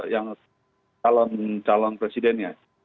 yang calon calon presidennya